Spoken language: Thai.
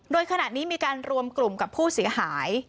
โดยขณะนี้มีการรวมกลุ่มกับผู้เสียหาย